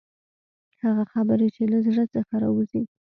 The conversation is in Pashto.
هغه خبرې چې له زړه څخه راوځي.